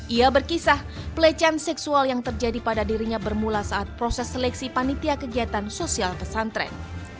ia berkisah pelecehan seksual yang terjadi pada dirinya bermula saat proses seleksi panitia kegiatan sosial pesantren